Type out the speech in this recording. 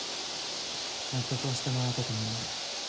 納得はしてもらえたと思うので。